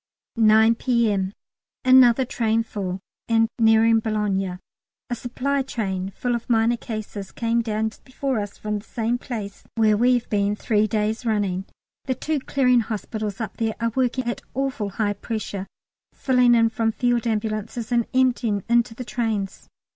9 P.M. Another train full, and nearing Boulogne; a supply train full of minor cases came down just before us from the same place, where we've been three days running. The two Clearing Hospitals up there are working at awful high pressure filling in from Field Ambulances, and emptying into the trains.